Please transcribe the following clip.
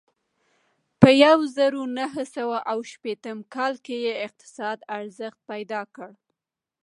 په یوه زرو نهه سوه اوه شپېتم کال کې یې اقتصاد ارزښت پیدا کړ.